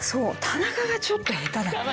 田中がちょっと下手だった。